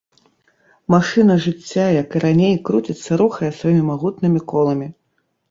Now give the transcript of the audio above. Машына жыцця, як і раней, круціцца, рухае сваімі магутнымі коламі.